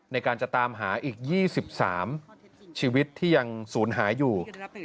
ในการจะตามหาอีก๒๓ชีวิตที่ยังศูนย์หายอยู่